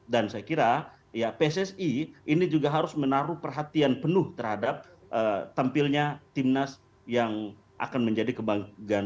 dan saya kira ya pssi ini juga harus menaruh perhatian penuh terhadap tampilnya timnas yang akan menjadi kebanggaan